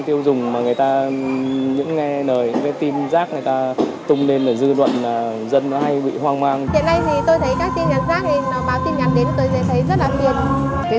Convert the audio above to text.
hiện nay thì tôi thấy các tim giáp giáp thì nó báo tim nhắn đến thì tôi thấy rất là phiền